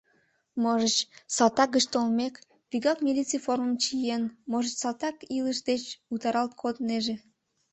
Можыч, салтак гыч толмек, вигак милиций формым чиен, можыч, салтак илыш деч утаралт коднеже.